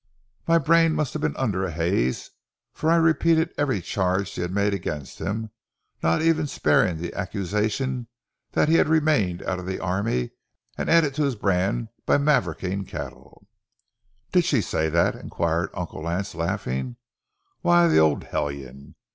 My brain must have been under a haze, for I repeated every charge she had made against him, not even sparing the accusation that he had remained out of the army and added to his brand by mavericking cattle. "Did she say that?" inquired Uncle Lance, laughing. "Why, the old hellion!